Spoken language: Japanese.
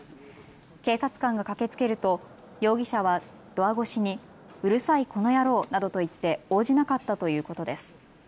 警察官が駆けつけると容疑者はドア越しに、うるさい、この野郎などと言って応じなかったということです。